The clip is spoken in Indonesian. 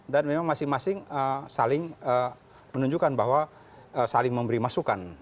dan memang masing masing saling menunjukkan bahwa saling memberi masukan